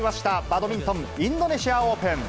バドミントン、インドネシアオープン。